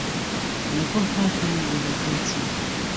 له پڕ هات و، له ناکاو چوو